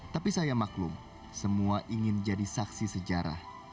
tapi saya maklum semua ingin jadi saksi sejarah